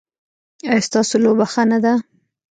ایا ستاسو لوبه ښه نه ده؟